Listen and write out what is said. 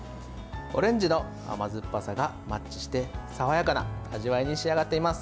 オレンジの甘酸っぱさがマッチして爽やかな味わいに仕上がっています。